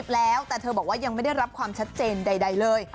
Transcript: แล้วแต่เธอบอกว่ายังไม่ได้รับความชัดเจนใดเลย